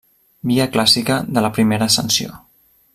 Via clàssica de la primera ascensió.